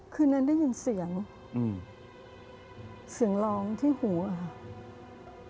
คืนนั้นได้ยินเสียงอืมเสียงเสียงร้องที่หูอะค่ะ